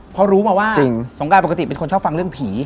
เพราะรู้มาว่าสงการปกติเป็นคนชอบฟังเรื่องผี